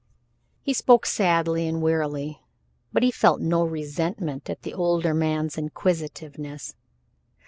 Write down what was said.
He spoke sadly and wearily, but he felt no resentment at the older man's inquisitiveness.